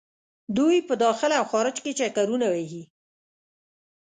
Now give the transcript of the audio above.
دوۍ په داخل او خارج کې چکرونه وهي.